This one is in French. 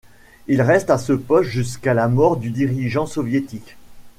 Il reste à ce poste jusqu'à la mort du dirigeant soviétique.